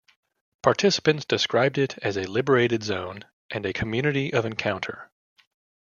Participants described it as a "liberated zone" and a "community of encounter.